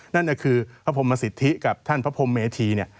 นั่นคือพระพรหมสิทธิกับท่านพระพรหมเมธี